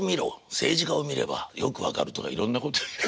政治家を見ればよく分かるとかいろんなこと。